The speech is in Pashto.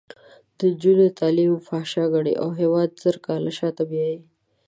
د نجونو تعلیم فحشا ګڼي او هېواد زر کاله شاته بیایي.